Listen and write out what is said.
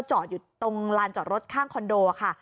จอดอยู่ตรงลานจอดรถข้างคอนโดค่ะ